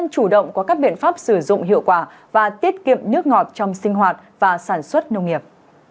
chủ động có các biện pháp sử dụng hiệu quả và tiết kiệm nước ngọt trong sinh hoạt và sản xuất nông nghiệp